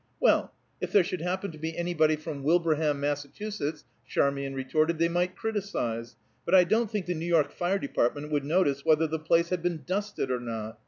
"Well, if there should happen to be anybody from Wilbraham, Mass.," Charmian retorted, "they might criticise, but I don't think the New York Fire Department would notice whether the place had been dusted or not.